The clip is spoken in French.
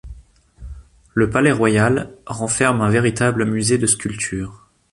Le palais royal renferme un véritable musée de sculptures.